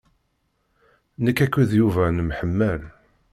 Nekk akked Yuba nemḥemmal.